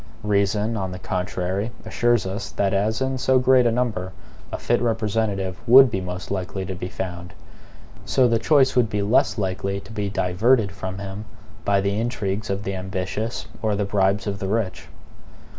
Reason, on the contrary, assures us, that as in so great a number a fit representative would be most likely to be found, so the choice would be less likely to be diverted from him by the intrigues of the ambitious or the ambitious or the bribes of the rich.